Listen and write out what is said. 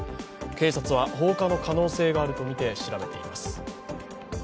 警察は放火の可能性があるとみて調べています。